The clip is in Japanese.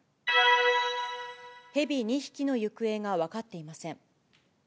ヘビ２匹の行方が分かっていません。